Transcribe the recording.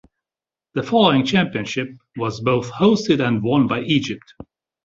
The following championship was both hosted and won by Egypt.